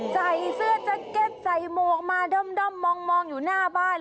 ใส่เสื้อแจ็คเก็ตใส่หมวกมาด้อมมองอยู่หน้าบ้าน